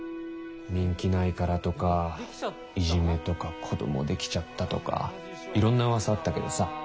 人気ないからとかいじめとか子どもできちゃったとかいろんな噂あったけどさ。